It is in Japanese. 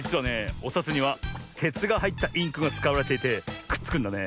おさつにはてつがはいったインクがつかわれていてくっつくんだね。